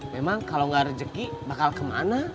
memang kalau gak rejeki bakal kemana